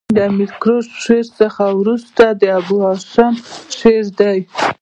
د امیر کروړ شعر څخه ورسته د ابو محمد هاشم شعر دﺉ.